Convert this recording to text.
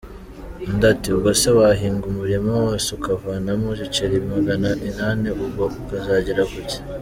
Undi ati “Ubwo se wahinga umurima wose ukavanamo ibiceri magana inani ubwo ukazagera kuki .